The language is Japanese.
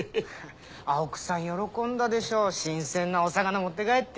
奥さん喜んだでしょ新鮮なお魚持って帰って。